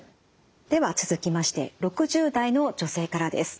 では続きまして６０代の女性からです。